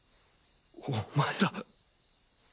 お前ら。